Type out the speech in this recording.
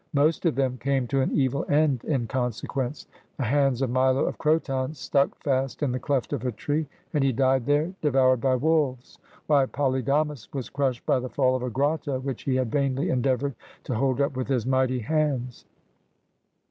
Most of them came to an evil end in consequence. The hands of Milo of Croton stuck fast in the cleft of a tree, and he died there, devoured by wolves; while Polydamas was crushed by the fall of a grotto which he had vainly endeavored to hold up with his mighty hands.